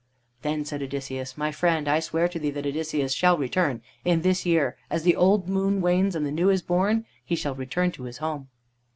Then said Odysseus: "My friend, I swear to thee that Odysseus shall return. In this year, as the old moon wanes and the new is born, he shall return to his home."